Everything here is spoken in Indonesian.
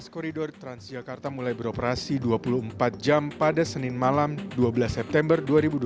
dua belas koridor transjakarta mulai beroperasi dua puluh empat jam pada senin malam dua belas september dua ribu dua puluh